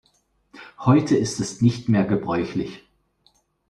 Heute ist es nicht mehr gebräuchlich.